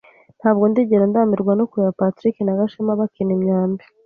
Ntabwo ndigera ndambirwa no kureba Patrick na Gashema bakina imyambi.